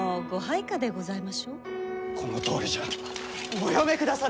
おやめくだされ！